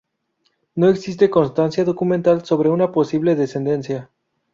No existe constancia documental sobre una posible descendencia.